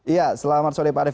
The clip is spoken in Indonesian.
iya selamat sore pak arief